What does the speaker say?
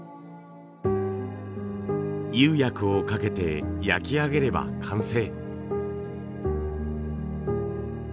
釉薬をかけて焼き上げれば完成。